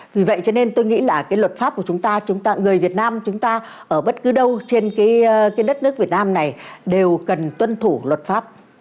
vì vậy cho nên tôi nghĩ là cái luật pháp của chúng ta chúng ta người việt nam chúng ta ở bất cứ đâu trên cái đất nước việt nam này đều cần tuân thủ luật pháp